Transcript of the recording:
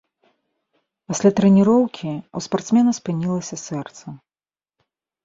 Пасля трэніроўкі ў спартсмена спынілася сэрца.